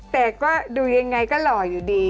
แต่ก็ดูยังไงก็หล่ออยู่ดี